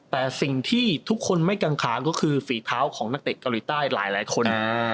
แต่สิ่งที่ทุกคนไม่กังขาก็คือฝีเท้าของนักเตะเกาหลีใต้หลายคน